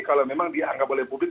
kalau memang dianggap oleh publik